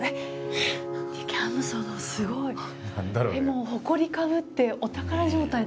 もうほこりかぶってお宝状態だね。